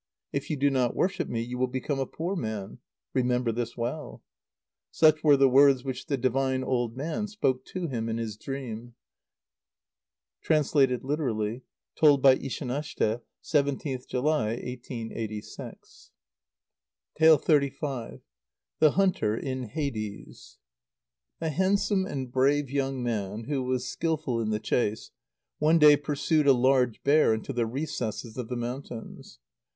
If you do not worship me, you will become a poor man. Remember this well!" Such were the words which the divine old man spoke to him in his dream. (Translated literally. Told by Ishanashte, 17th July, 1886.) xxxv. The Hunter in Hades. A handsome and brave young man, who was skilful in the chase, one day pursued a large bear into the recesses of the mountains.